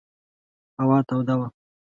هوا توده وه.